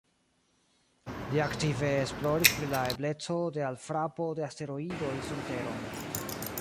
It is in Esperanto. Li aktive esploris pri la ebleco de alfrapo de asteroidoj sur Teron.